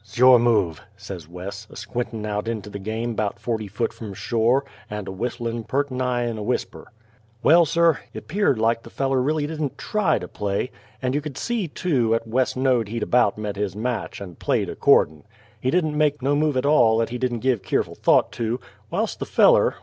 "'S your move," says Wes, a squintin' out into the game 'bout forty foot from shore, and a whistlin' purt' nigh in a whisper. Well sir, it 'peared like the feller railly didn't try to play; and you could see, too, 'at Wes knowed he'd about met his match, and played accordin'. He didn't make no move at all 'at he didn't give keerful thought to; whilse the feller